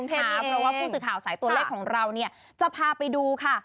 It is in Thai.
เพราะว่าผู้สื่อข่าวสายตัวเลขของเราจะพาไปดูค่ะ